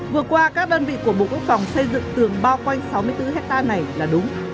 vừa qua các đơn vị của bộ quốc phòng xây dựng tường bao quanh sáu mươi bốn hectare này là đúng